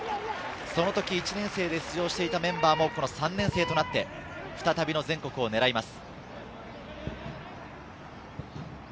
その時、１年生で出場していたメンバーも３年生となって、再びの全国を狙います。